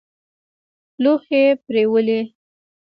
لوښي پرېولي.